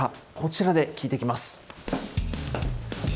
こちらで聞いてきます。